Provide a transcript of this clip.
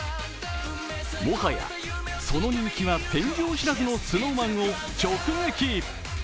もはや、その人気は天井知らずのＳｎｏｗＭａｎを直撃。